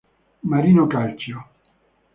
Marino Calcio.